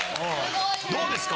どうですか？